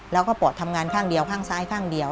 แล้วก็ปอดทำงานข้างเดียวข้างซ้ายข้างเดียว